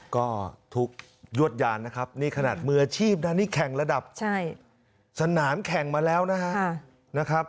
ก็ทุกยวดยานนะครับนี่ขนาดมืออาชีพนะนี่แข่งระดับสนามแข่งมาแล้วนะครับ